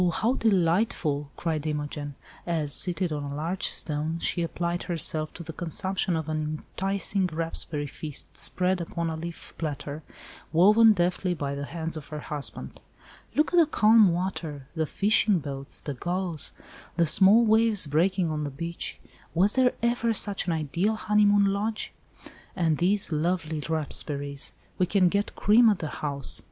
how delightful," cried Imogen, as, seated on a large stone she applied herself to the consumption of an enticing raspberry feast spread upon a leaf platter, woven deftly by the hands of her husband. "Look at the calm water—the fishing boats, the gulls, the small waves breaking on the beach! Was there ever such an ideal honeymoon lodge? And these lovely raspberries. We can get cream at the house.